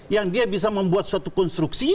yang dia bisa membuat suatu konstruksi